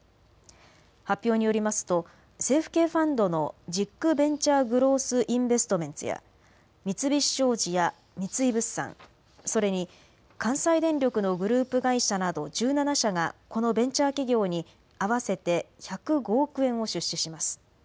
発表によりますと政府系ファンドのＪＩＣベンチャー・グロース・インベストメンツや三菱商事や三井物産、それに関西電力のグループ会社など１７社がこのベンチャー企業に合わせて１０５億円を出資します。